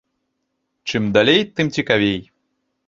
Чым далей, тым цікавей.